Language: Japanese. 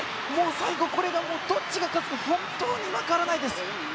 最後、どっちが勝つか本当に分からないです。